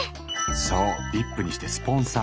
そうＶＩＰにしてスポンサー。